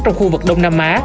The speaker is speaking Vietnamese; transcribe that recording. trong khu vực đông nam á